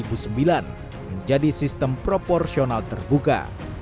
pemilu dua ribu sembilan menjadi sistem proporsional terbuka